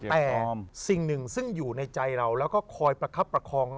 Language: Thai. แต่สิ่งหนึ่งซึ่งอยู่ในใจเราแล้วก็คอยประคับประคอง